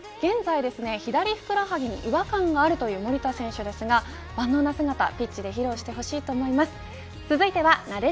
さあ現在、左ふくらはぎに違和感があるという守田選手ですが万能な姿、ピッチで披露してほしいと思います。